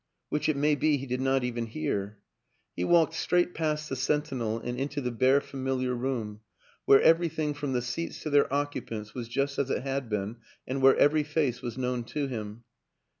which it may be he did not even hear. He walked straight past the sentinel and into the bare fa miliar room where everything, from the seats to their occupants, was just as it had been and where every face was known to him.